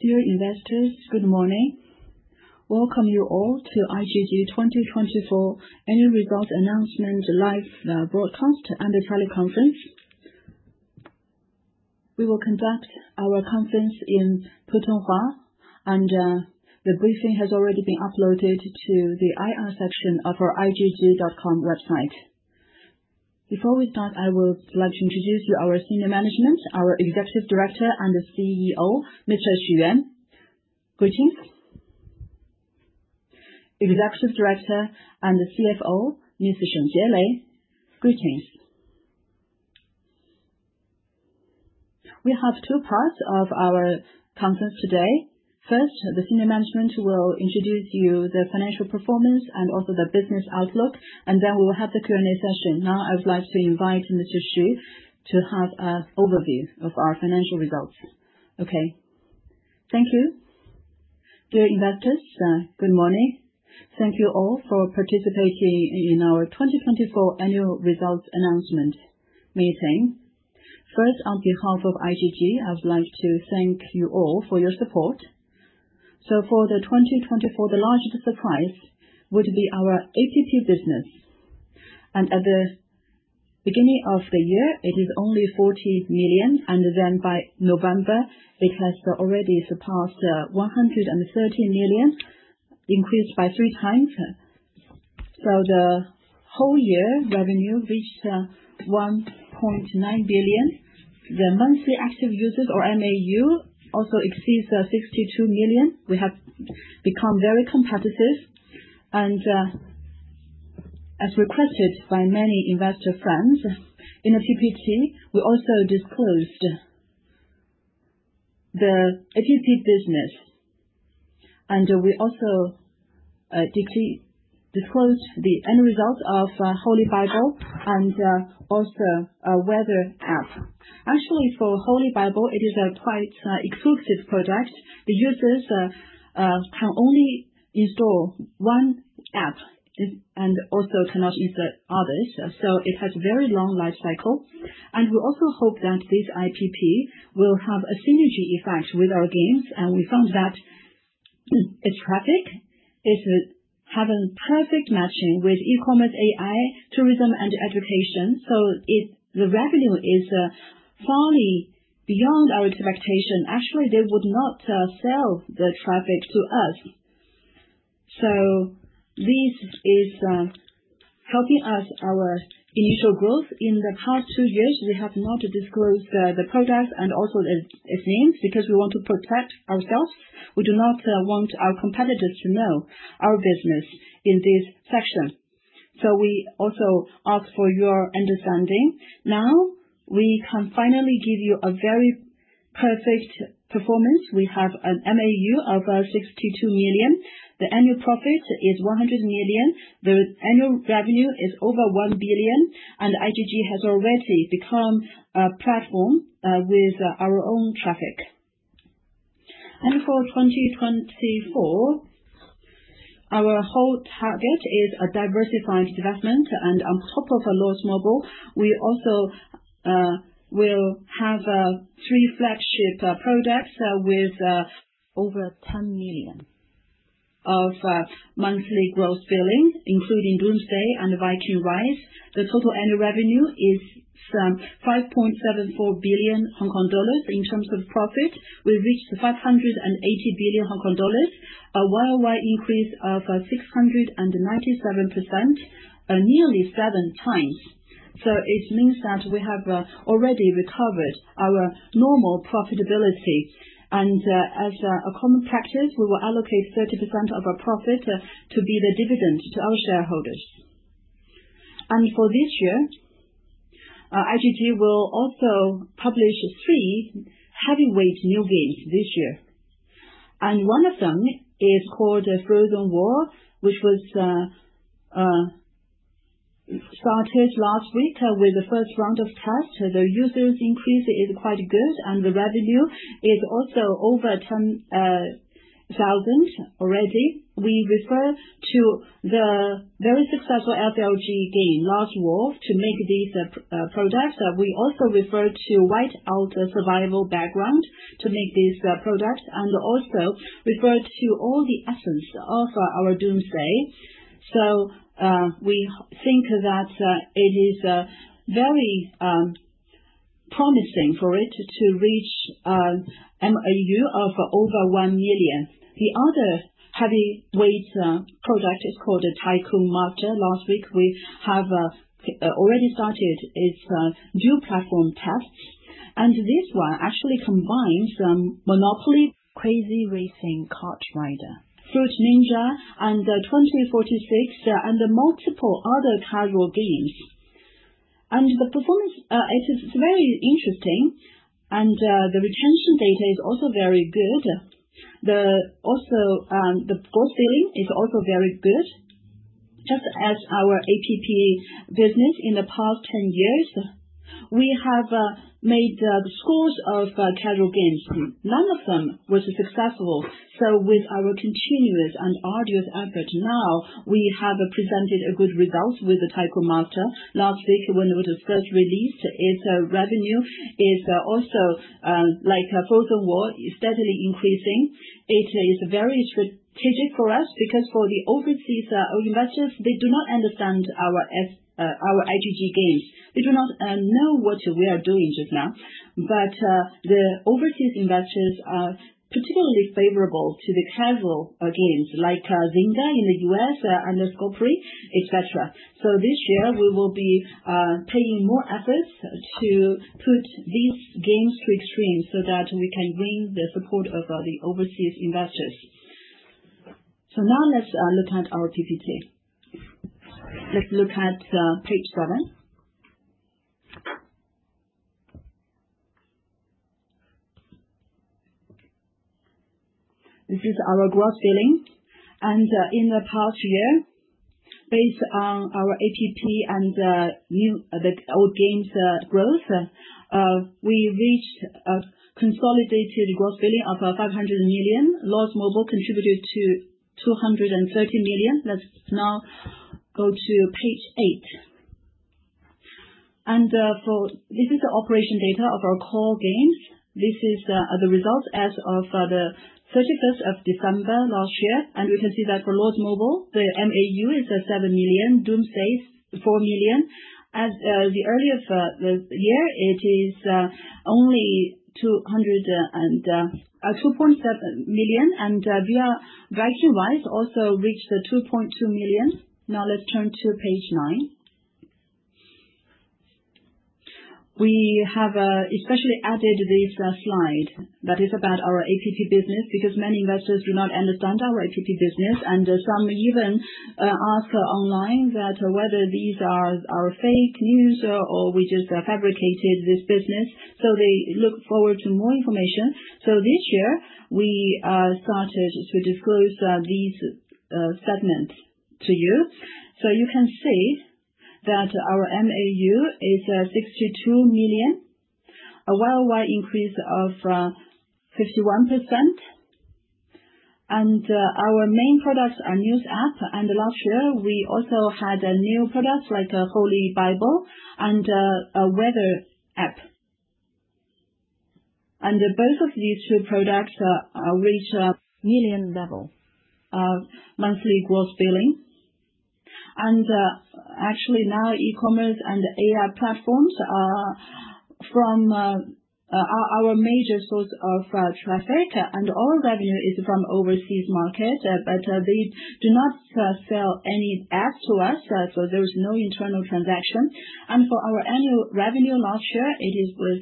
Dear investors, good morning. Welcome you all to IGG 2024 annual results announcement live broadcast and the teleconference. We will conduct our conference in Putonghua, and the briefing has already been uploaded to the IR section of our igg.com website. Before we start, I would like to introduce you our senior management, our executive director and the CEO, Mr. Xu Yuan. Greetings. Executive director and the CFO, Mr. Sheng Jiele. Greetings. We have two parts of our conference today. First, the senior management will introduce you the financial performance and also the business outlook, then we will have the Q&A session. Now I would like to invite Mr. Xu to have an overview of our financial results. Okay. Thank you. Dear investors, good morning. Thank you all for participating in our 2024 annual results announcement meeting. First, on behalf of IGG, I would like to thank you all for your support. For the 2024, the largest surprise would be our APP business. At the beginning of the year, it is only 40 million, then by November it has already surpassed 113 million, increased by three times. The whole year revenue reached 1.9 billion. The monthly active users, or MAU, also exceeds 62 million. We have become very competitive. As requested by many investor friends in the TPG, we also disclosed the APP business. We also disclosed the end result of Holy Bible and also a weather app. Actually, for Holy Bible, it is a quite exclusive product. The users can only install one app and also cannot install others, so it has very long life cycle. We also hope that this APP will have a synergy effect with our games. We found that its traffic is having perfect matching with e-commerce, AI, tourism, and education. The revenue is far beyond our expectation. Actually, they would not sell the traffic to us. This is helping us our initial growth. In the past two years, we have not disclosed the products and also its names because we want to protect ourselves. We do not want our competitors to know our business in this section. We also ask for your understanding. Now we can finally give you a very perfect performance. We have an MAU of 62 million. The annual profit is 100 million. The annual revenue is over 1 billion, and IGG has already become a platform with our own traffic. For 2024, our whole target is a diversified development. On top of Lords Mobile, we also will have three flagship products with over 10 million of monthly gross billing, including Doomsday and Viking Rise. The total annual revenue is some 5.74 billion Hong Kong dollars. In terms of profit, we've reached 580 billion Hong Kong dollars, a YoY increase of 697%, nearly seven times. It means that we have already recovered our normal profitability. As a common practice, we will allocate 30% of our profit to be the dividend to our shareholders. For this year, IGG will also publish three heavyweight new games this year. One of them is called Frozen War, which was started last week with the first round of tests. The users increase is quite good, and the revenue is also over 10,000 already. We refer to the very successful SLG game, Last War, to make this product. We also refer to Whiteout Survival background to make this product, also refer to all the essence of our Doomsday. We think that it is very promising for it to reach MAU of over 1 million. The other heavyweight product is called Tycoon Master. Last week, we have already started its dual-platform tests. This one actually combines Monopoly, Crazy Racing, KartRider, Fruit Ninja, 2048, and multiple other casual games. The performance is very interesting, and the retention data is also very good. The gross billing is also very good. Just as our APP business in the past 10 years We have made scores of casual games. None of them was successful. With our continuous and arduous effort, now we have presented good results with Tycoon Master. Last week when it was first released, its revenue is also, like Frozen War, steadily increasing. It is very strategic for us because for the overseas investors, they do not understand our IGG games. They do not know what we are doing just now. But the overseas investors are particularly favorable to the casual games like Zynga in the U.S., Underscore Free, et cetera. This year we will be paying more efforts to put these games to extreme so that we can gain the support of the overseas investors. Now let's look at our PPT. Let's look at page seven. This is our gross billing. In the past year, based on our APP and all games growth, we reached a consolidated gross billing of 500 million. Lords Mobile contributed to 230 million. Let's now go to page eight. This is the operation data of our core games. This is the results as of the 31st of December last year. We can see that for Lords Mobile, the MAU is 7 million, Doomsday is 4 million. As the early of the year, it is only 2.7 million. Viking Rise also reached 2.2 million. Now let's turn to page nine. We have especially added this slide that is about our APP business because many investors do not understand our APP business. Some even ask online that whether these are fake news or we just fabricated this business. So they look forward to more information. This year, we started to disclose these segments to you, so you can see that our MAU is 62 million, a year-over-year increase of 51%. Our main products are news app. Last year, we also had new products like Bible App and a weather app. Both of these two products reach a million level of monthly gross billing. Actually now e-commerce and AI platforms are our major source of traffic. All revenue is from overseas market. But they do not sell any ads to us, so there is no internal transaction. For our annual revenue last year, it was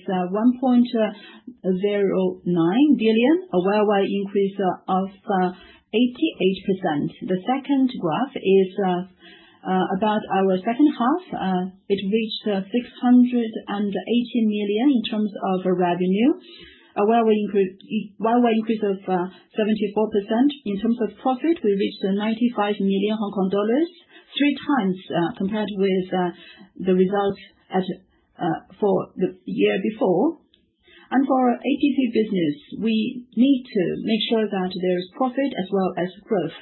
1.09 billion, a year-over-year increase of 88%. The second graph is about our second half. It reached 680 million in terms of revenue, a year-over-year increase of 74%. In terms of profit, we reached 95 million Hong Kong dollars, 3 times compared with the results for the year before. For our APP business, we need to make sure that there is profit as well as growth.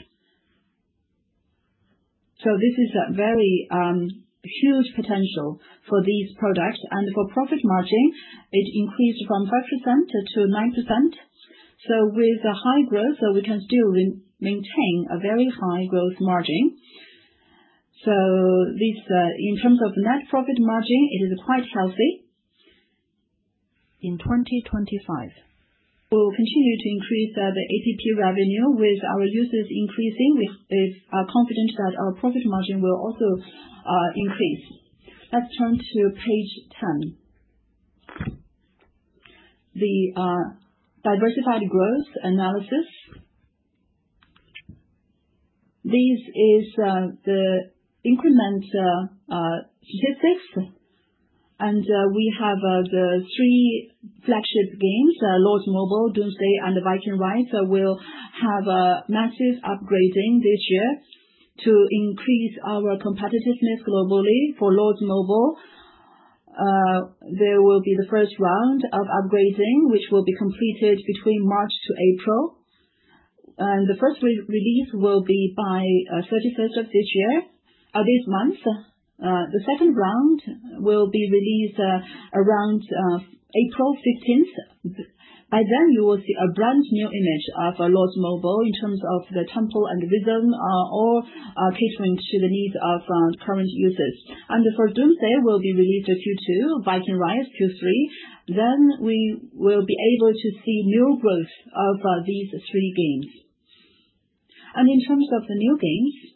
So this is a very huge potential for these products. For profit margin, it increased from 5% to 9%. With the high growth, we can still maintain a very high growth margin. In terms of net profit margin, it is quite healthy. In 2025, we will continue to increase the APP revenue. With our users increasing, we are confident that our profit margin will also increase. Let's turn to page 10. The diversified growth analysis. This is the increment statistics. We have the three flagship games, Lords Mobile, Doomsday, and Viking Rise will have massive upgrading this year to increase our competitiveness globally. For Lords Mobile, there will be the first round of upgrading, which will be completed between March to April. The first release will be by 31st of this month. The second round will be released around April 15th. By then, you will see a brand-new image of Lords Mobile in terms of the temple and the rhythm are all catering to the needs of current users. For Doomsday, will be released at Q2, Viking Rise, Q3. We will be able to see new growth of these three games. In terms of the new games,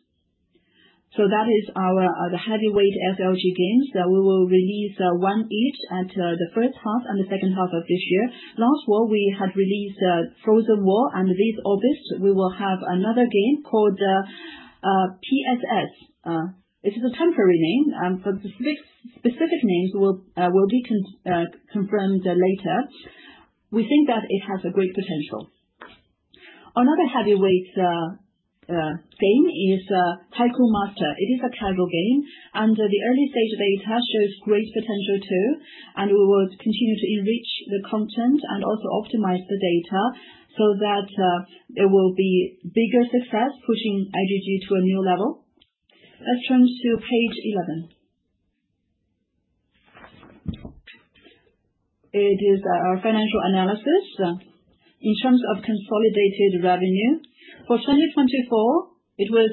that is our heavyweight SLG games that we will release one each at the first half and the second half of this year. Last War, we had released Frozen War, and this August, we will have another game called PSS. It is a temporary name. For specific names will be confirmed later. We think that it has a great potential. Another heavyweight game is Tycoon Master. It is a casual game, and the early stage data shows great potential too. We will continue to enrich the content and also optimize the data so that there will be bigger success pushing IGG to a new level. Let's turn to page 11. It is our financial analysis. In terms of consolidated revenue, for 2024, it was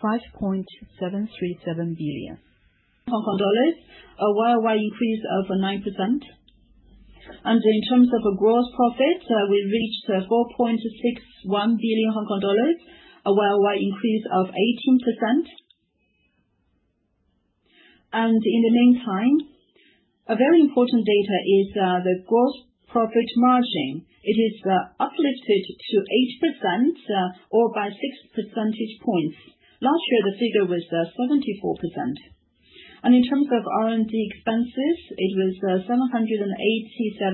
5.737 billion Hong Kong dollars, a Y-O-Y increase of 9%. In terms of gross profit, we reached 4.61 billion Hong Kong dollars, a Y-O-Y increase of 18%. In the meantime, a very important data is the gross profit margin. It is uplifted to 80% or by 6%. Last year, the figure was 74%. In terms of R&D expenses, it was 787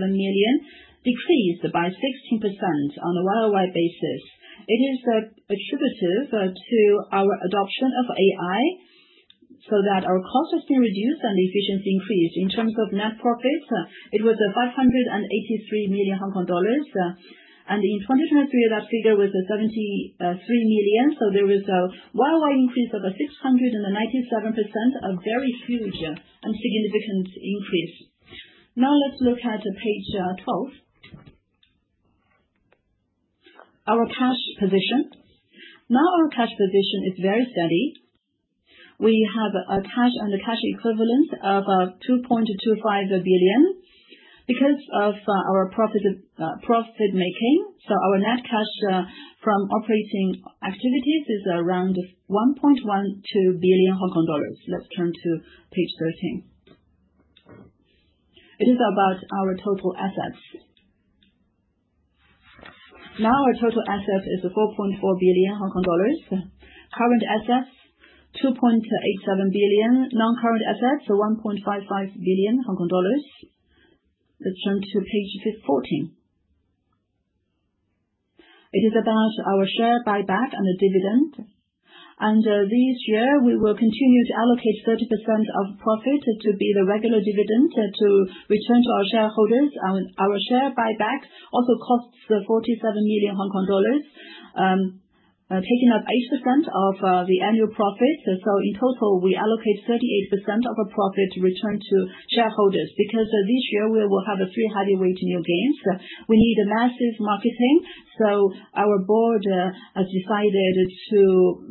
million, decreased by 16% on a Y-O-Y basis. It is attributive to our adoption of AI so that our cost has been reduced and efficiency increased. In terms of net profits, it was 583 million Hong Kong dollars. In 2023, that figure was HKD 73 million, there was a Y-O-Y increase of 697%, a very huge and significant increase. Let's look at page 12. Our cash position. Our cash position is very steady. We have a cash and a cash equivalent of 2.25 billion because of our profit making. Our net cash from operating activities is around 1.12 billion Hong Kong dollars. Let's turn to page 13. It is about our total assets. Our total assets is 4.4 billion Hong Kong dollars. Current assets, 2.87 billion. Non-current assets are 1.55 billion Hong Kong dollars. Let's turn to page 14. It is about our share buyback and the dividend. This year, we will continue to allocate 30% of profit to be the regular dividend to return to our shareholders. Our share buyback also costs 47 million Hong Kong dollars, taking up 8% of the annual profits. In total, we allocate 38% of our profit return to shareholders, because this year we will have three heavyweight new games. We need massive marketing, our board has decided to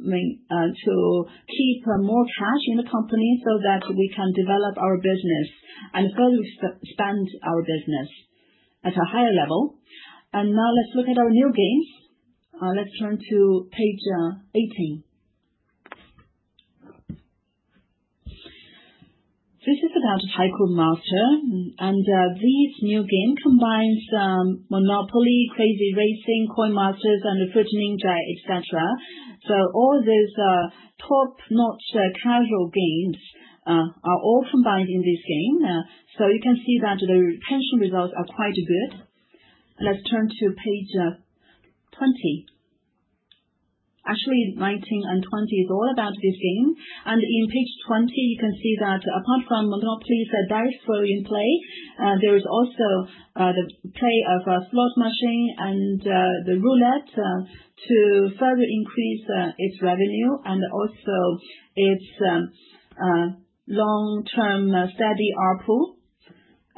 keep more cash in the company so that we can develop our business and further expand our business at a higher level. Now let's look at our new games. Let's turn to page 18. This is about Tycoon Master, this new game combines Monopoly, Crazy Racing, Coin Master, and Ridging Joy, et cetera. All these top-notch casual games are all combined in this game. You can see that the retention results are quite good. Let's turn to page 20. Actually, 19 and 20 is all about this game. On page 20, you can see that apart from Monopoly dice rolling play, there is also the play of a slot machine and the roulette to further increase its revenue and also its long-term steady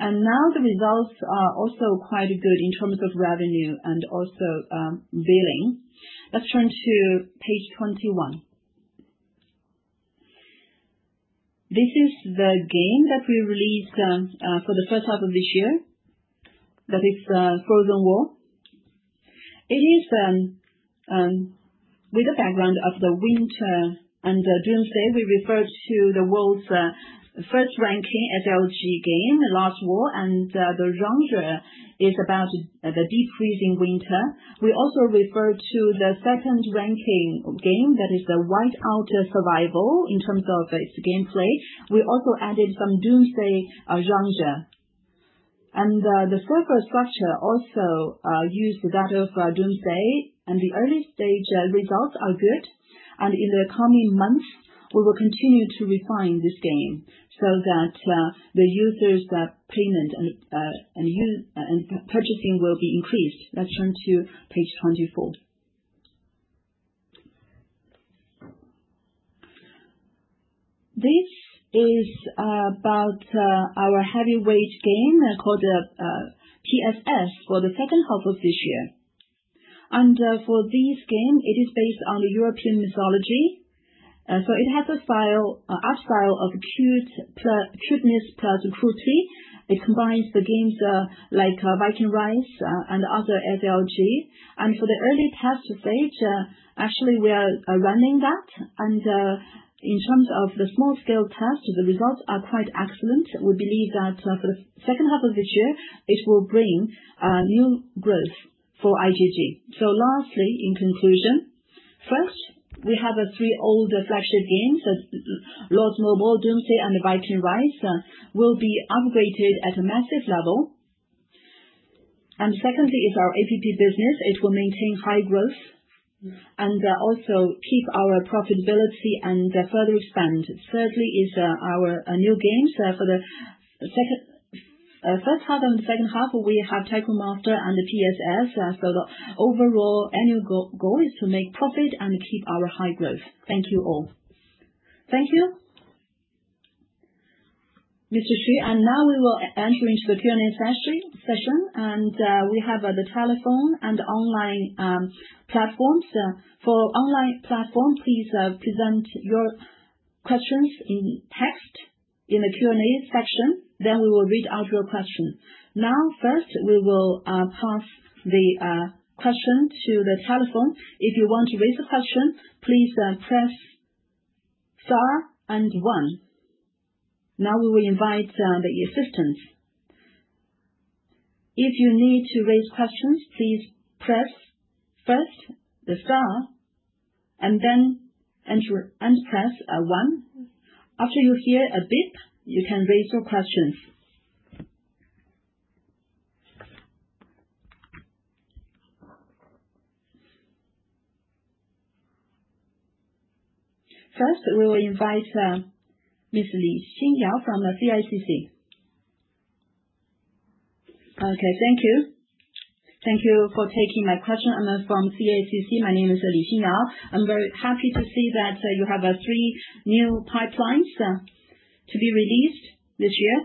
ARPU. Now the results are also quite good in terms of revenue and also billing. Let's turn to page 21. This is the game that we released for the first half of this year. That is Frozen War. It is with the background of the winter and Doomsday. We refer to the world's first-ranking SLG game, Last War, the genre is about the deep freezing winter. We also refer to the second-ranking game, that is Whiteout Survival, in terms of its gameplay. We also added some Doomsday genre. The surface structure also used that of Doomsday, the early-stage results are good. In the coming months, we will continue to refine this game so that the users' payment and purchasing will be increased. Let's turn to page 24. This is about our heavyweight game called PSS for the second half of this year. For this game, it is based on European mythology. It has an art style of cuteness plus cruelty. It combines the games like Viking Rise and other SLG. For the early test stage, actually we are running that, in terms of the small-scale test, the results are quite excellent. We believe that for the second half of this year, it will bring new growth for IGG. Lastly, in conclusion First, we have three older flagship games, "Lords Mobile," "Doomsday," and "Viking Rise," will be upgraded at a massive level. Secondly is our APP business. It will maintain high growth, also keep our profitability and further expand. Thirdly is our new games. For the first half and the second half, we have "Tycoon Master" and the "PSS." The overall annual goal is to make profit and keep our high growth. Thank you all. Thank you, Mr. Xu. Now we will enter into the Q&A session, we have the telephone and online platforms. For online platform, please present your questions in text in the Q&A section, we will read out your question. First, we will pass the question to the telephone. If you want to raise a question, please press star and one. We will invite the assistant. If you need to raise questions, please press first the star and then press one. After you hear a beep, you can raise your questions. First, we will invite Ms. Li Shin Yao from CICC. Thank you. Thank you for taking my question. I am from CICC. My name is Li Shin Yao. I am very happy to see that you have three new pipelines to be released this year.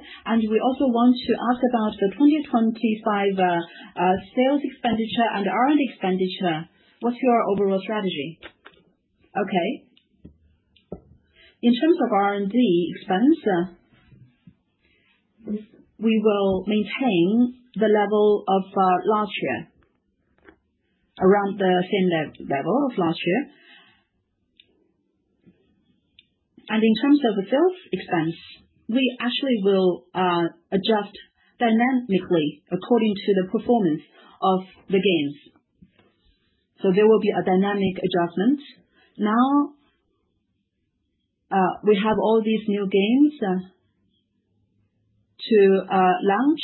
We also want to ask about the 2025 sales expenditure and R&D expenditure. What is your overall strategy? In terms of R&D expense, we will maintain the level of last year, around the same level of last year. In terms of the sales expense, we actually will adjust dynamically according to the performance of the games. There will be a dynamic adjustment. Now, we have all these new games to launch.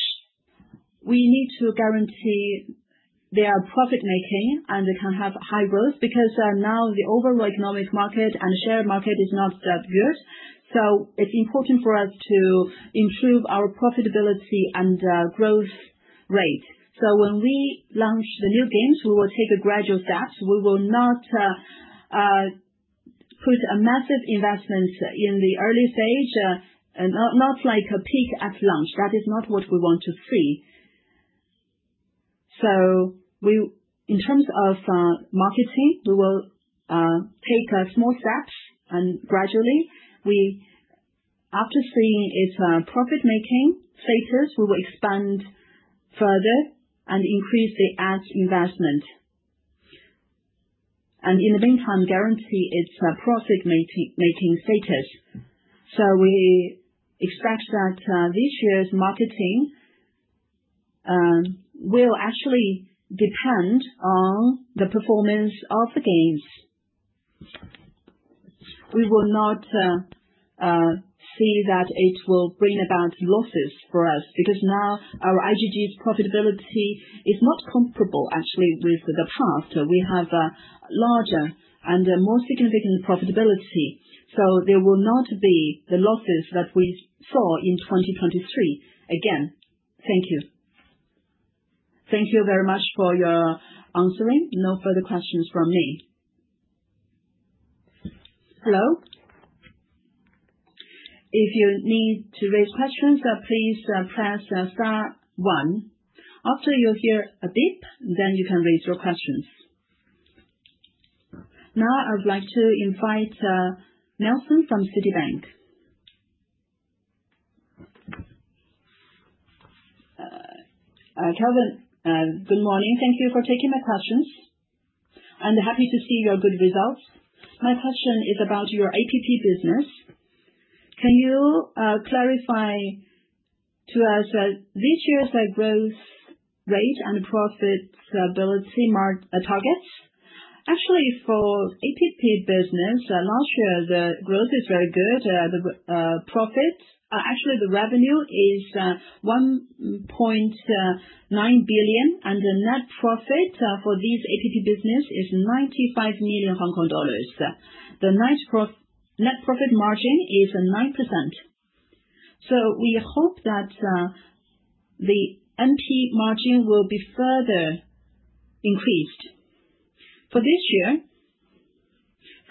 We need to guarantee they are profit-making and they can have high growth, because now the overall economic market and share market is not that good. It is important for us to improve our profitability and growth rate. When we launch the new games, we will take gradual steps. We will not put a massive investment in the early stage, not like a peak at launch. That is not what we want to see. In terms of marketing, we will take small steps, and gradually, after seeing its profit-making status, we will expand further and increase the ads investment. In the meantime, guarantee its profit-making status. We expect that this year's marketing will actually depend on the performance of the games. We will not see that it will bring about losses for us, because now our IGG profitability is not comparable actually with the past. We have larger and more significant profitability. There will not be the losses that we saw in 2023 again. Thank you. Thank you very much for your answering. No further questions from me. If you need to raise questions, please press star one. After you hear a beep, then you can raise your questions. Now I would like to invite Nelson from Citibank. Kelvin, good morning. Thank you for taking my questions. I am happy to see your good results. My question is about your APP business. Can you clarify to us this year's growth rate and profitability mark targets? Actually, for APP business, last year the growth is very good. Actually, the revenue is 1.9 billion, and the net profit for this APP business is 95 million Hong Kong dollars. The net profit margin is 9%. We hope that the NP margin will be further increased. For this year,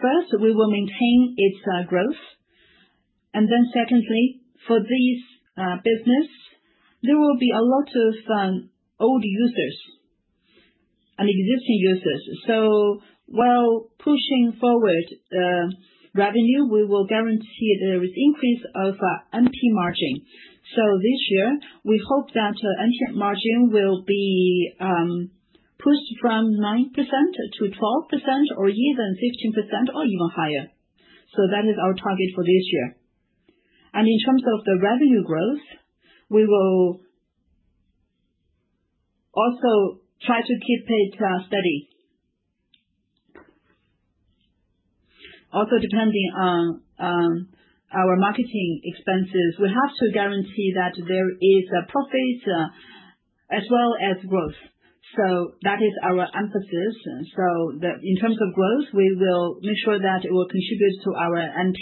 first, we will maintain its growth. Secondly, for this business, there will be a lot of old users and existing users. While pushing forward the revenue, we will guarantee there is increase of NP margin. This year, we hope that NP margin will be pushed from 9% to 12% or even 15% or even higher. That is our target for this year. In terms of the revenue growth, we will try to keep it steady. Depending on our marketing expenses, we have to guarantee that there is profits as well as growth. That is our emphasis. In terms of growth, we will make sure that it will contribute to our NP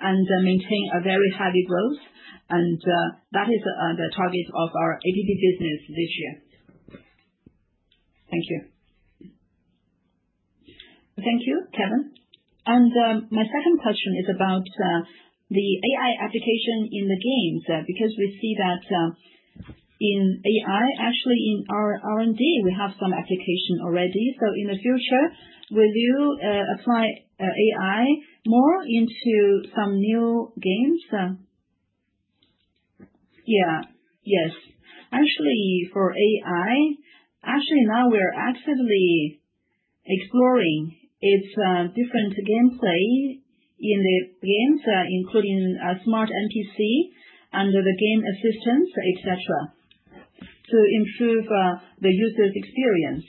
and maintain a very heavy growth. That is the target of our IGG business this year. Thank you. Thank you, Kevin. My second question is about the AI application in the games, because we see that in AI, actually in our R&D, we have some application already. In the future, will you apply AI more into some new games? Yes. Actually, for AI, now we are actively exploring its different game play in the games, including smart NPC under the game assistance, et cetera, to improve the user's experience.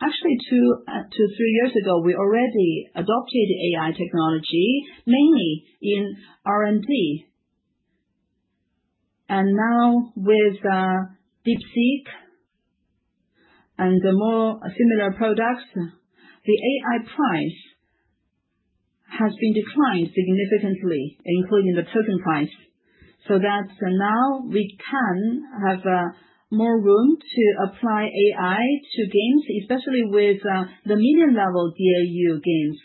Actually, two to three years ago, we already adopted AI technology, mainly in R&D. Now with DeepSeek and the more similar products, the AI price has been declined significantly, including the token price. Now we can have more room to apply AI to games, especially with the million level DAU games.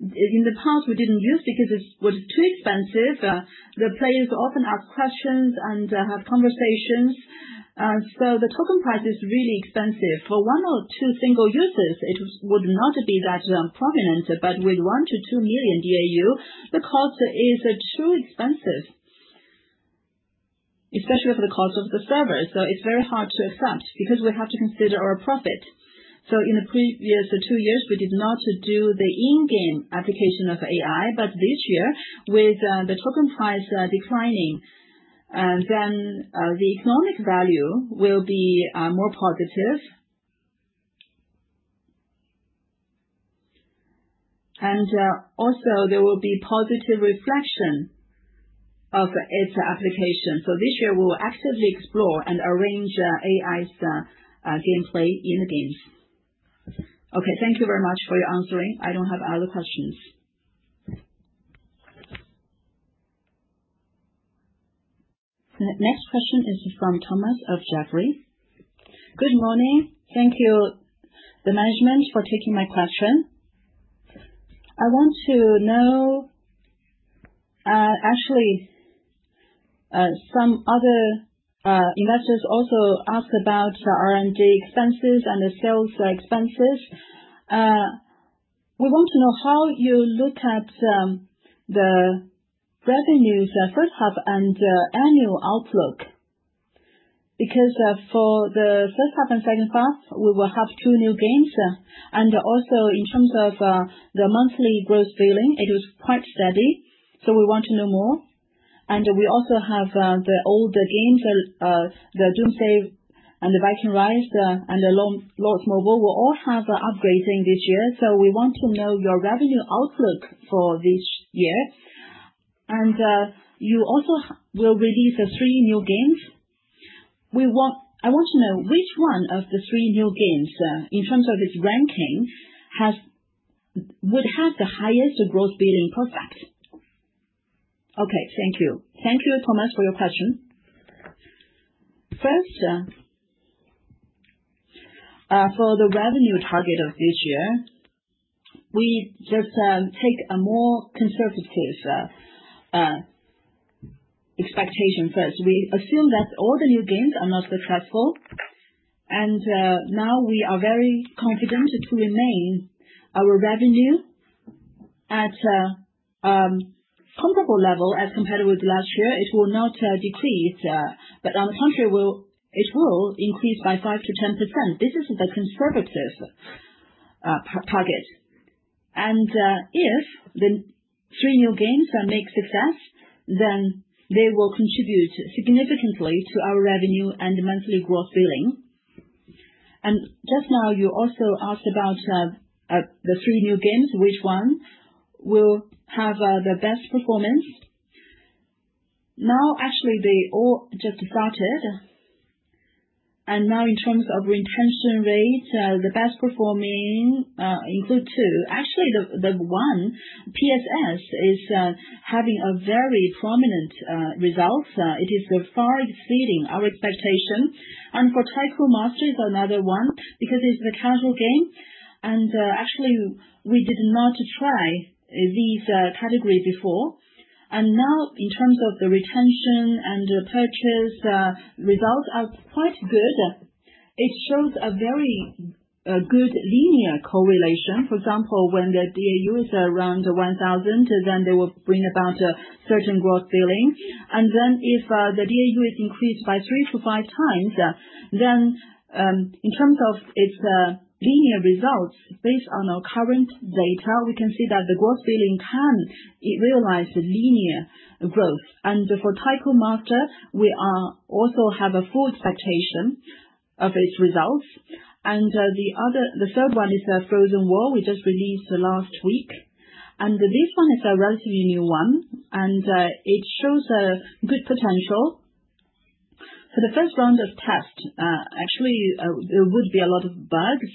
In the past, we didn't use it because it was too expensive. The players often ask questions and have conversations. The token price is really expensive. For one or two single users, it would not be that prominent, but with 1 to 2 million DAU, the cost is too expensive, especially for the cost of the server. It's very hard to accept because we have to consider our profit. In the previous two years, we did not do the in-game application of AI, but this year with the token price declining, the economic value will be more positive. Also there will be positive reflection of its application. This year we will actively explore and arrange AI's game play in the games. Thank you very much for your answering. I don't have other questions. The next question is from Thomas of Jefferies. Good morning. Thank you, the management for taking my question. I want to know, some other investors also ask about R&D expenses and the sales expenses. We want to know how you look at the revenues first half and annual outlook. For the first half and second half, we will have two new games. In terms of the monthly growth billing, it was quite steady, we want to know more. We also have the older games, Doomsday and Viking Rise and Lords Mobile will all have upgrading this year. We want to know your revenue outlook for this year. You also will release three new games. I want to know which one of the three new games, in terms of its ranking, would have the highest growth billing prospect. Thank you. Thank you, Thomas, for your question. First, for the revenue target of this year, we take a more conservative case expectation. We assume that all the new games are not successful. Now we are very confident to remain our revenue at a comparable level as compared with last year. It will not decrease. On the contrary, it will increase by 5% to 10%. This is the conservative target. If the three new games make success, they will contribute significantly to our revenue and monthly growth billing. Just now you also asked about the three new games, which one will have the best performance. Now they all just started, and in terms of retention rate, the best performing include two. The one, PSS, is having a very prominent result. It is far exceeding our expectation. For Tycoon Master is another one, because it's the casual game, actually we did not try these categories before. Now in terms of the retention and purchase, results are quite good. It shows a very good linear correlation. For example, when the DAUs are around 1,000, they will bring about a certain growth billing. If the DAU is increased by three to five times, then in terms of its linear results, based on our current data, we can see that the growth billing can realize linear growth. For Tycoon Master, we also have a full expectation of its results. The third one is Frozen War. We just released last week. This one is a relatively new one, it shows a good potential. For the first round of tests, actually, there would be a lot of bugs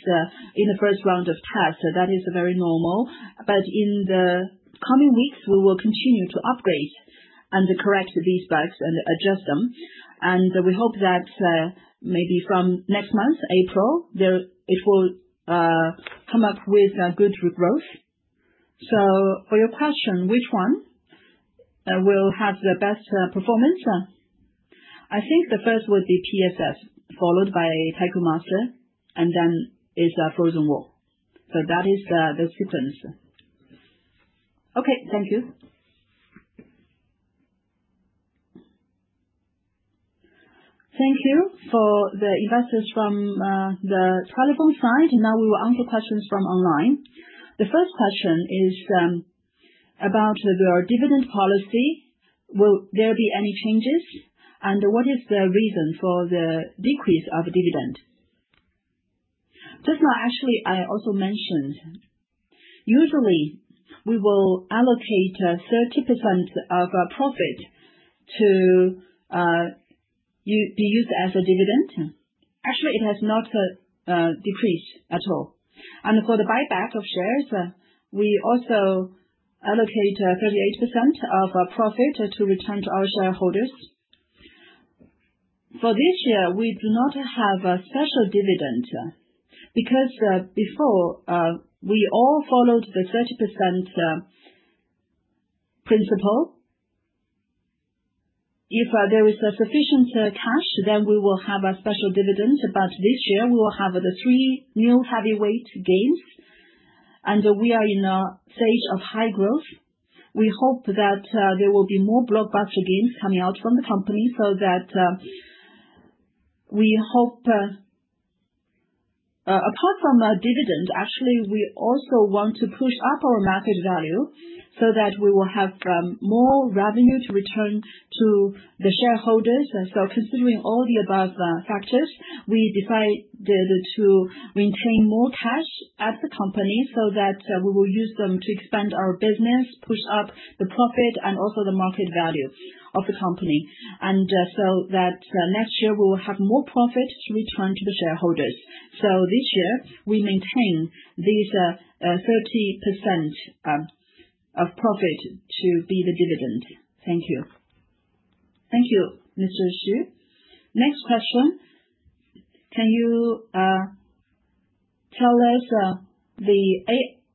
in the first round of tests, that is very normal. In the coming weeks, we will continue to upgrade and correct these bugs and adjust them. We hope that maybe from next month, April, it will come up with good growth. For your question, which one will have the best performance? I think the first would be PSS, followed by Tycoon Master, then it's Frozen War. That is the sequence. Okay. Thank you. Thank you for the investors from the telephone side. Now we will answer questions from online. The first question is about your dividend policy. Will there be any changes, and what is the reason for the decrease of dividend? Just now, actually, I also mentioned, usually we will allocate 30% of our profit to be used as a dividend. Actually, it has not decreased at all. For the buyback of shares, we also allocate 38% of our profit to return to our shareholders. For this year, we do not have a special dividend because before, we all followed the 30% principle. If there is sufficient cash, then we will have a special dividend. This year, we will have the three new heavyweight games, we are in a stage of high growth. We hope that there will be more blockbuster games coming out from the company. Apart from dividend, actually, we also want to push up our market value so that we will have more revenue to return to the shareholders. Considering all the above factors, we decided to maintain more cash at the company so that we will use them to expand our business, push up the profit, and also the market value of the company. That next year we will have more profit to return to the shareholders. This year we maintain these 30% of profit to be the dividend. Thank you. Thank you, Mr. Xu. Next question. Can you tell us the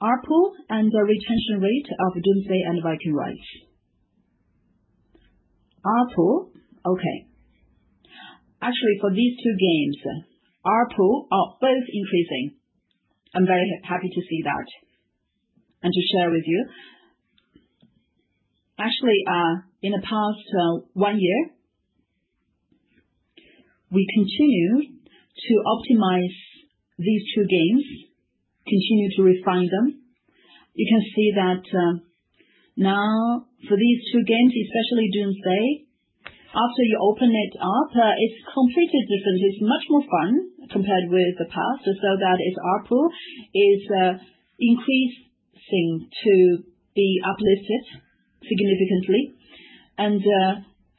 ARPU and the retention rate of Doomsday and Viking Rise? ARPU? Okay. Actually, for these two games, ARPU are both increasing. I'm very happy to see that and to share with you. Actually, in the past one year, we continue to optimize these two games, continue to refine them. You can see that now for these two games, especially Doomsday, after you open it up, it's completely different. It's much more fun compared with the past. Its ARPU is increasing to be uplifted significantly.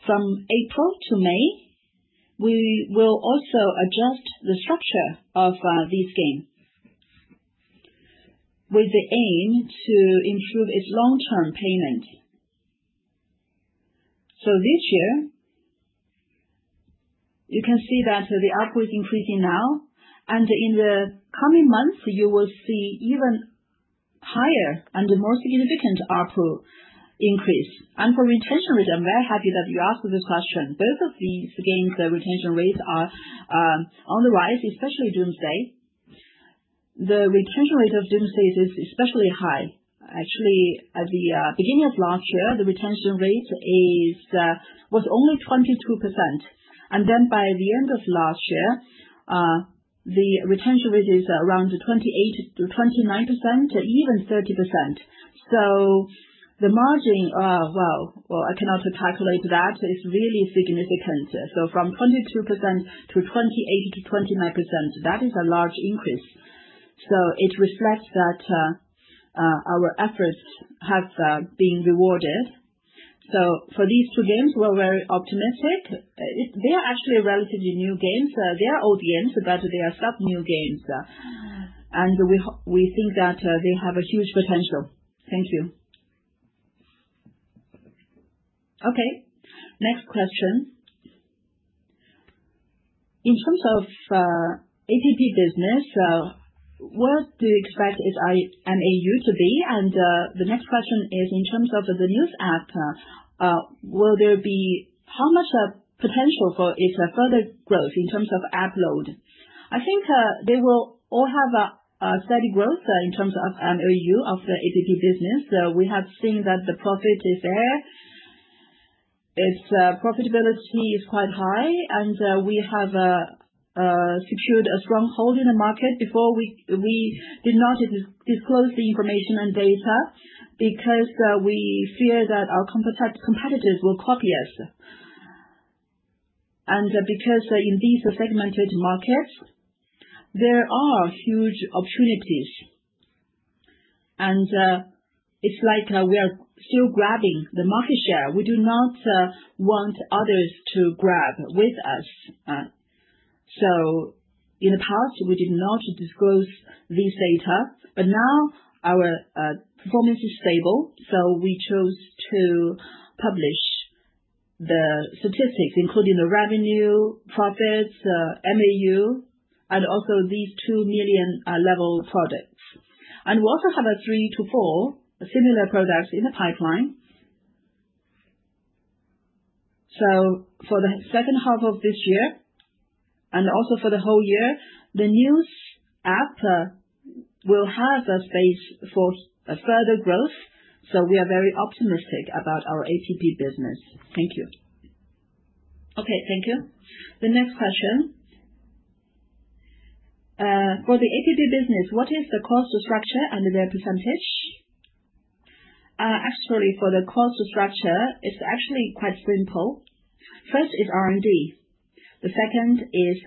From April to May, we will also adjust the structure of this game with the aim to improve its long-term payment. This year, you can see that the ARPU is increasing now, and in the coming months, you will see even higher and more significant ARPU increase. For retention rate, I'm very happy that you asked this question. Both of these games, the retention rates are on the rise, especially Doomsday. The retention rate of Doomsday is especially high. Actually, at the beginning of last year, the retention rate was only 22%, by the end of last year, the retention rate is around 28%-29%, even 30%. The margin, well, I cannot calculate that. It's really significant. From 22% to 28%-29%, that is a large increase. It reflects that our efforts have been rewarded. For these two games, we're very optimistic. They are actually relatively new games. They are old games, but they are still new games. We think that they have a huge potential. Thank you. Okay. Next question. In terms of APP business, what do you expect its MAU to be? The next question is, in terms of the news app, how much potential for its further growth in terms of upload? I think they will all have a steady growth in terms of MAU of the APP business. We have seen that the profit is there. Its profitability is quite high, and we have secured a stronghold in the market. Before, we did not disclose the information and data because we fear that our competitors will copy us. Because in this segmented market, there are huge opportunities, and it's like we are still grabbing the market share. We do not want others to grab with us. In the past, we did not disclose this data, but now our performance is stable, so we chose to publish the statistics, including the revenue, profits, MAU, and also these 2 million level products. We also have three to four similar products in the pipeline. For the second half of this year, and also for the whole year, the news app will have a space for further growth. We are very optimistic about our APP business. Thank you. Okay, thank you. The next question. For the APP business, what is the cost structure and their percentage? Actually, for the cost structure, it's actually quite simple. First is R&D, the second is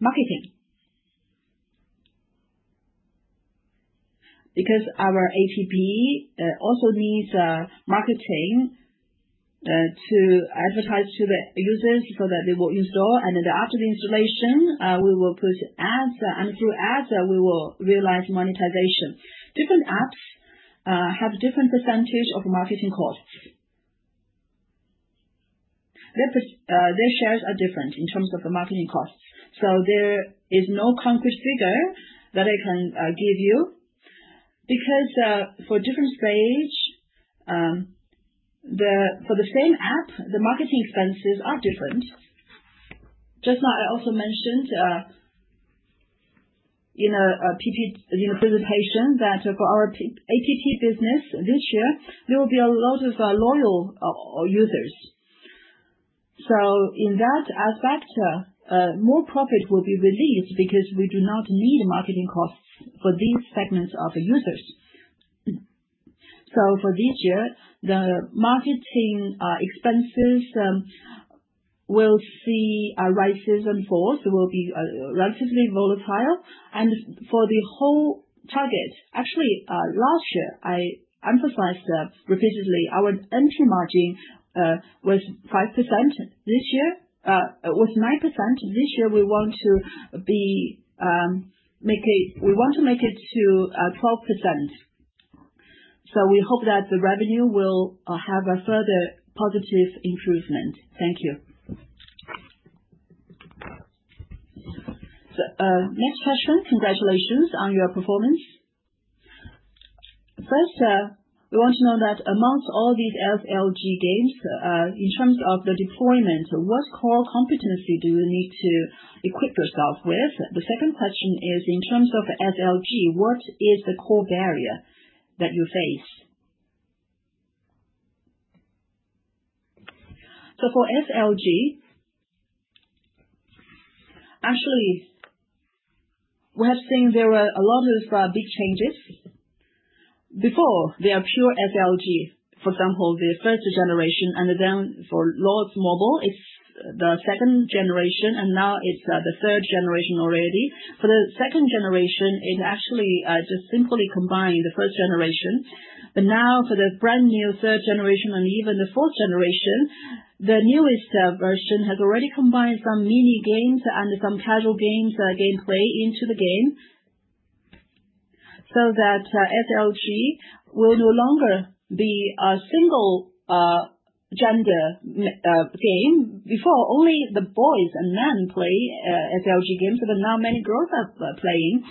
marketing. Our APP also needs marketing to advertise to the users so that they will install, and then after the installation, we will put ads, and through ads, we will realize monetization. Different apps have different percentages of marketing costs. Their shares are different in terms of marketing costs. There is no concrete figure that I can give you because, for different stages, for the same app, the marketing expenses are different. Just now, I also mentioned in our presentation that for our APP business this year, there will be a lot of loyal users. In that aspect, more profit will be released because we do not need marketing costs for these segments of users. For this year, the marketing expenses will see a rise and fall. Will be relatively volatile. For the whole target, actually, last year, I emphasized repeatedly our NP margin was 9%. This year, we want to make it to 12%. We hope that the revenue will have a further positive improvement. Thank you. Next question. Congratulations on your performance. First, we want to know that amongst all these SLG games, in terms of the deployment, what core competency do you need to equip yourself with? The second question is, in terms of SLG, what is the core barrier that you face? For SLG, actually, we have seen there are a lot of big changes. Before, they are pure SLG. For example, the first generation, and then for Lords Mobile, it's the second generation, and now it's the third generation already. For the second generation, it actually just simply combined the first generation. Now for the brand-new third generation and even the fourth generation, the newest version has already combined some mini-games and some casual games gameplay into the game so that SLG will no longer be a single genre game. Before, only the boys and men played SLG games, but now many girls are playing.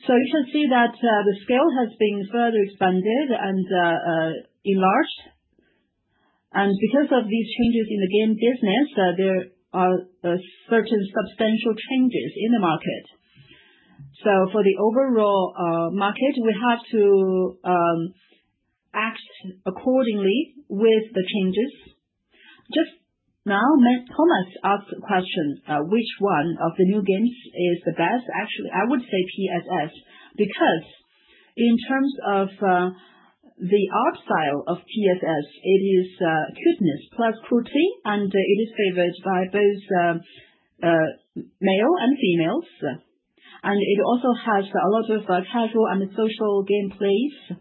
You can see that the scale has been further expanded and enlarged. Because of these changes in the game business, there are certain substantial changes in the market. For the overall market, we have to act accordingly with the changes. Just now, Thomas asked the question, which one of the new games is the best? Actually, I would say PSS, because in terms of the art style of PSS, it is cuteness plus cruelty, and it is favored by both male and females, and it also has a lot of casual and social gameplays.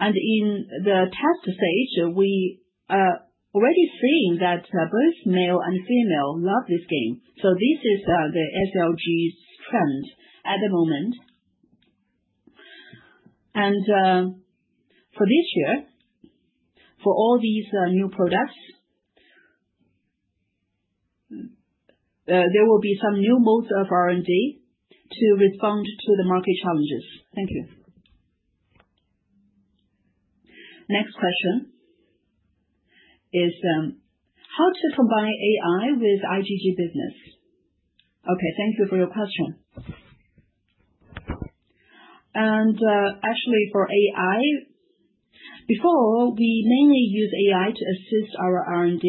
In the test stage, we are already seeing that both male and female love this game. This is the SLG's trend at the moment. For this year, for all these new products, there will be some new modes of R&D to respond to the market challenges. Thank you. Next question is, how to combine AI with IGG business? Okay, thank you for your question. Actually, for AI, before, we mainly used AI to assist our R&D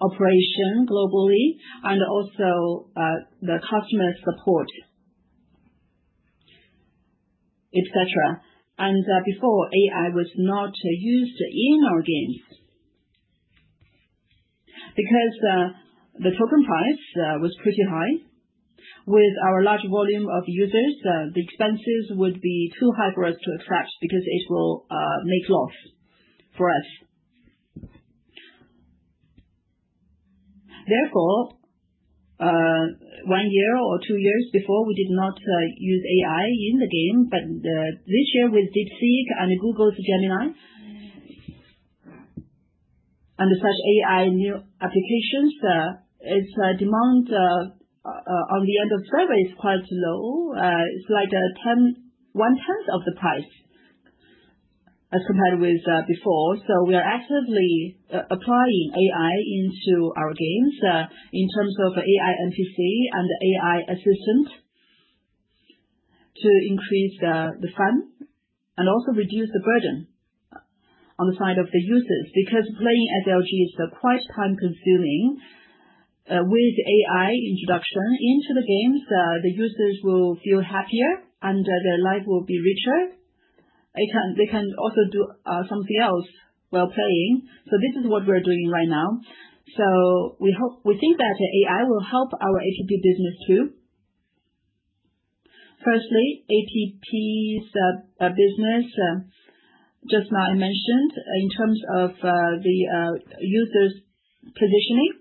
operation globally and also the customer support, et cetera. Before, AI was not used in our games. Because the token price was pretty high, with our large volume of users, the expenses would be too high for us to attract because it will make loss for us. Therefore, one year or two years before, we did not use AI in the game. This year, with DeepSeek and Google's Gemini, and such AI new applications, its demand on the end of server is quite low. It's like one-tenth of the price as compared with before. We are actively applying AI into our games in terms of AI NPC and AI assistant to increase the fun and also reduce the burden on the side of the users. Because playing SLG is quite time-consuming. With AI introduction into the games, the users will feel happier and their life will be richer. They can also do something else while playing. This is what we're doing right now. We think that AI will help our APP business too. Firstly, APP's business, just now I mentioned, in terms of the user's positioning.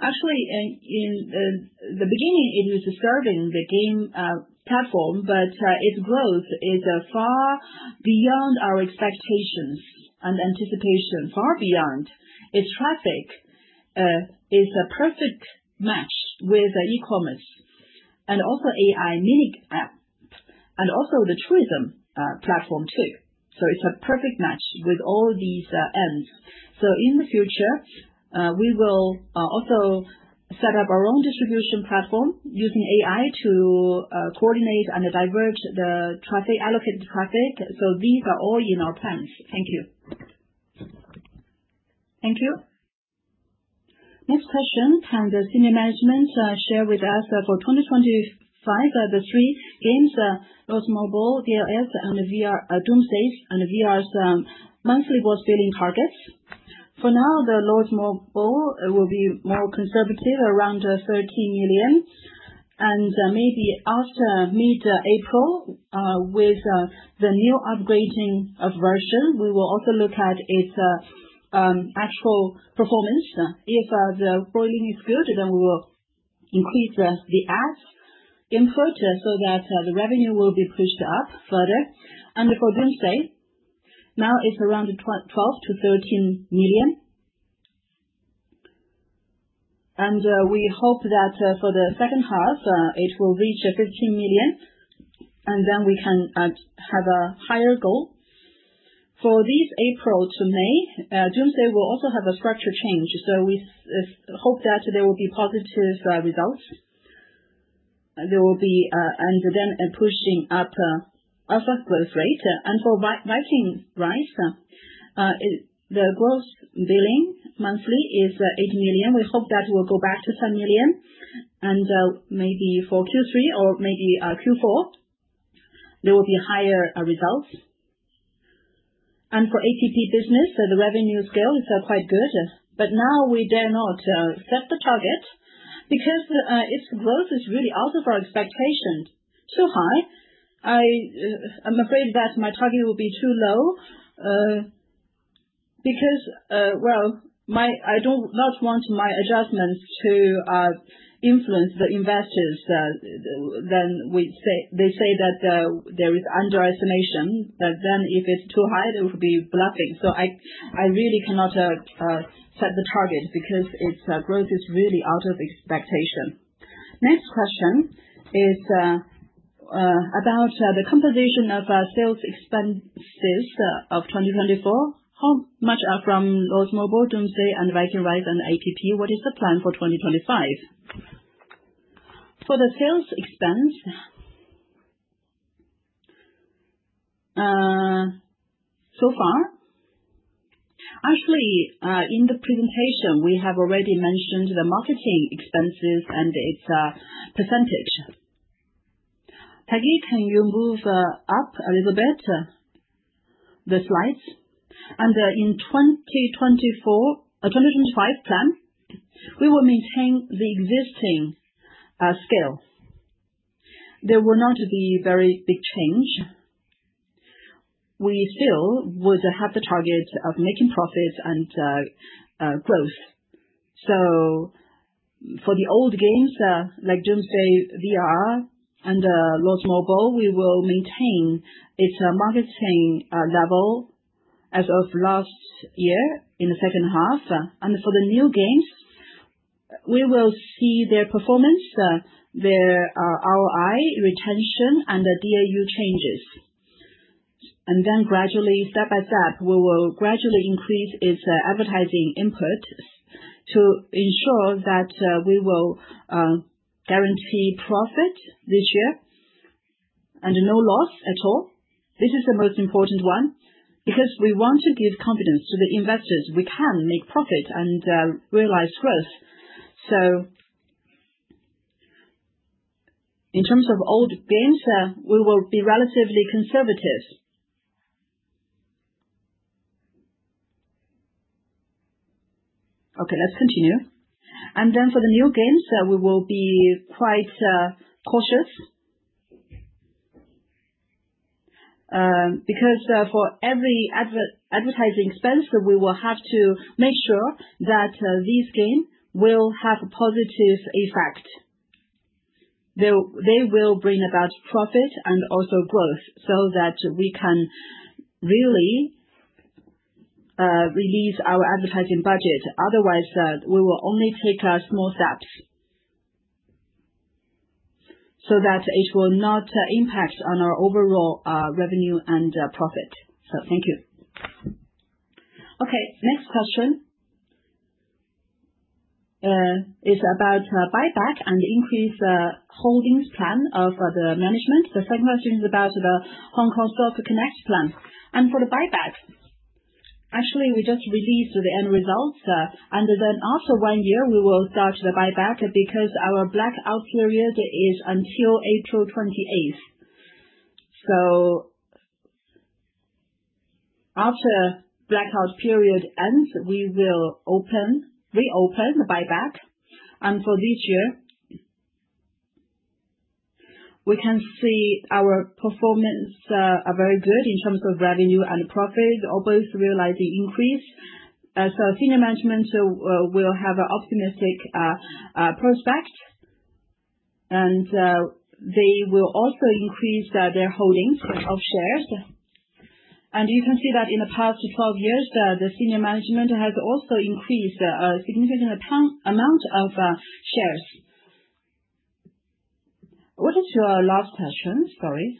Actually, in the beginning, it was serving the game platform, but its growth is far beyond our expectations and anticipation. Far beyond. Its traffic is a perfect match with e-commerce and also AI mini apps, and also the tourism platform too. It's a perfect match with all these ends. In the future, we will also set up our own distribution platform using AI to coordinate and divert the allocated traffic. These are all in our plans. Thank you. Thank you. Next question. Can the senior management share with us for 2025, the three games, Lords Mobile, DLS, and Doomsday and VR's monthly gross billing targets? For now, the Lords Mobile will be more conservative, around 13 million. Maybe after mid-April, with the new upgrading of version, we will also look at its actual performance. If the billing is good, we will increase the ads input so that the revenue will be pushed up further. For Doomsday, now it's around 12 million-13 million. We hope that for the second half, it will reach 15 million, and we can have a higher goal. For this April to May, Doomsday will also have a structure change. We hope that there will be positive results, pushing up our growth rate. For Viking Rise, the gross billing monthly is 8 million. We hope that it will go back to 10 million, and maybe for Q3 or maybe Q4, there will be higher results. For APP business, the revenue scale is quite good. Now we dare not set the target because its growth is really out of our expectation. High. I'm afraid that my target will be too low. Well, I do not want my adjustments to influence the investors. They say that there is underestimation. If it's too high, it will be bluffing. I really cannot set the target because its growth is really out of expectation. Next question is about the composition of our sales expenses of 2024. How much are from Lords Mobile, Doomsday, and Viking Rise, and APP? What is the plan for 2025? For the sales expense so far, actually, in the presentation, we have already mentioned the marketing expenses and its percentage. Peggy, can you move up a little bit the slides? In 2025 plan, we will maintain the existing scale. There will not be very big change. We still would have the target of making profits and growth. For the old games, like Doomsday VR and Lords Mobile, we will maintain its marketing level as of last year in the second half. For the new games, we will see their performance, their ROI, retention, and the DAU changes. Gradually, step by step, we will gradually increase its advertising input to ensure that we will guarantee profit this year and no loss at all. This is the most important one, because we want to give confidence to the investors we can make profit and realize growth. In terms of old games, we will be relatively conservative. Okay, let's continue. For the new games, we will be quite cautious because for every advertising expense, we will have to make sure that this game will have a positive effect. They will bring about profit and also growth so that we can really release our advertising budget. Otherwise, we will only take small steps so that it will not impact on our overall revenue and profit. Thank you. Next question is about buyback and increase holdings plan of the management. The second question is about the Hong Kong Stock Connect plan. For the buyback, actually, we just released the end results, then after one year, we will start the buyback because our blackout period is until April 28. After blackout period ends, we will reopen the buyback. For this year, we can see our performance are very good in terms of revenue and profit, both realizing increase. Senior management will have an optimistic prospect, and they will also increase their holdings of shares. You can see that in the past 12 years, the senior management has also increased a significant amount of shares. What is your last question? Sorry.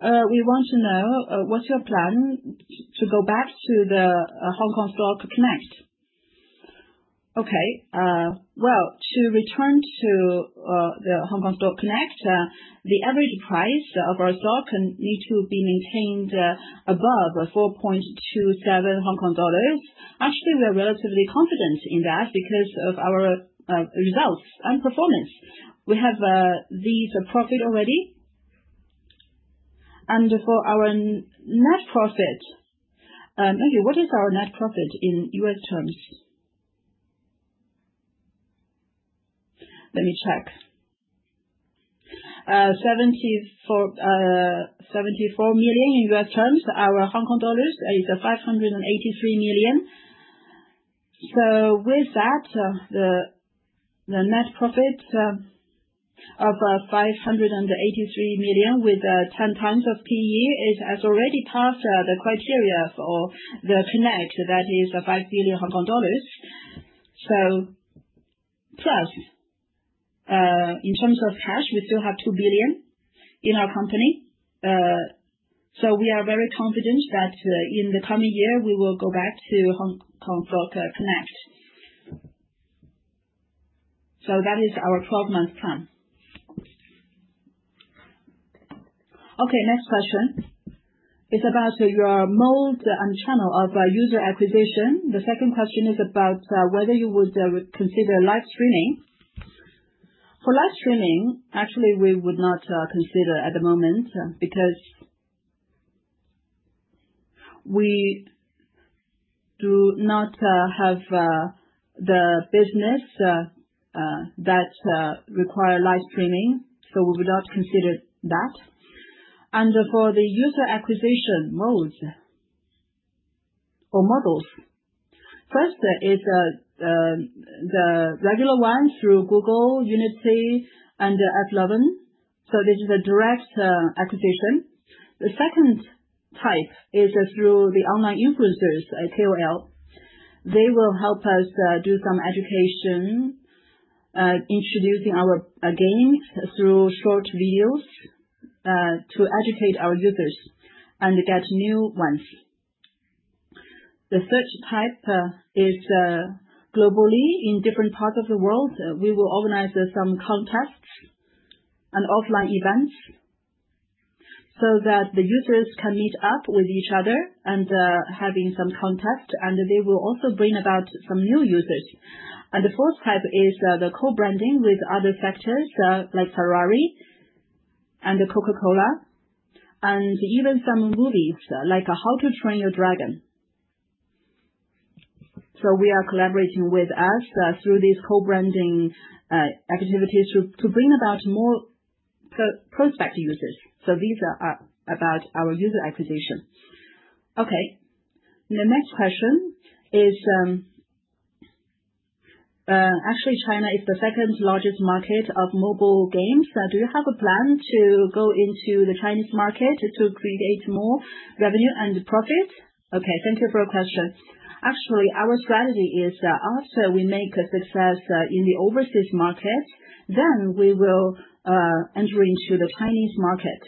We want to know what's your plan to go back to the Hong Kong Stock Connect. To return to the Hong Kong Stock Connect, the average price of our stock need to be maintained above 4.27 Hong Kong dollars. Actually, we're relatively confident in that because of our results and performance. We have this profit already. For our net profit, what is our net profit in U.S. terms? Let me check. $74 million in U.S. terms. Our HKD is 583 million. With that, the net profit of 583 million with 10 times of PE has already passed the criteria for the Connect, that is 5 billion Hong Kong dollars. Plus, in terms of cash, we still have 2 billion in our company. We are very confident that in the coming year, we will go back to Hong Kong Stock Connect. That is our 12-month plan. Next question is about your mode and channel of user acquisition. The second question is about whether you would consider live streaming. For live streaming, actually, we would not consider at the moment because we do not have the business that require live streaming, so we would not consider that. For the user acquisition modes or models, first is the regular one through Google, Unity, and AppLovin. This is a direct acquisition. The 2nd type is through the online influencers, KOL. They will help us do some education, introducing our games through short videos, to educate our users and get new ones. The 3rd type is globally, in different parts of the world, we will organize some contests and offline events so that the users can meet up with each other and having some contest, and they will also bring about some new users. The 4th type is the co-branding with other factors like Ferrari and Coca-Cola, and even some movies like "How to Train Your Dragon." We are collaborating with us through these co-branding activities to bring about more prospect users. These are about our user acquisition. The next question is, actually, China is the 2nd-largest market of mobile games. Do you have a plan to go into the Chinese market to create more revenue and profit? Thank you for your question. Actually, our strategy is after we make a success in the overseas market, then we will enter into the Chinese market.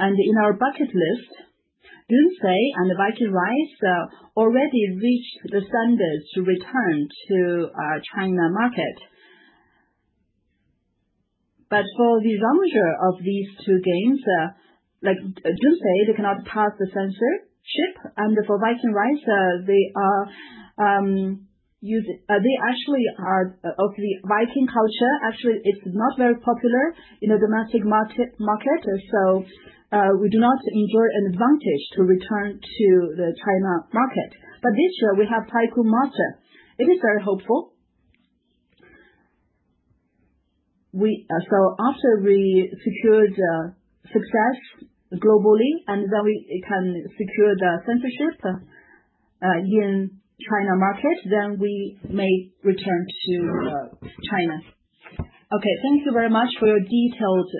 In our bucket list, "Doomsday" and "Viking Rise" already reached the standards to return to our China market. For the launcher of these two games, like "Doomsday," they cannot pass the censorship. For "Viking Rise," they actually are of the Viking culture. Actually, it's not very popular in the domestic market, so we do not enjoy an advantage to return to the China market. This year we have "Tycoon Master." It is very hopeful. After we secured success globally, then we can secure the censorship in China market, then we may return to China. Okay. Thank you very much for your detailed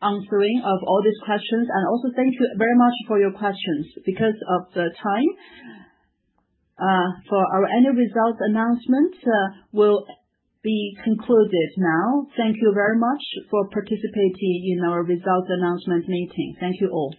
answering of all these questions. Also thank you very much for your questions. Because of the time, for our annual results announcement, we'll be concluded now. Thank you very much for participating in our results announcement meeting. Thank you all.